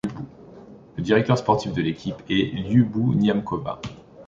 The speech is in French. Le directeur sportif de l'équipe est Liubou Niamkova.